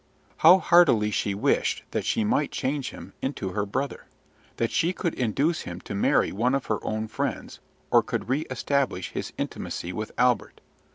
How heartily she wished that she might change him into her brother, that she could induce him to marry one of her own friends, or could reestablish his intimacy with Albert.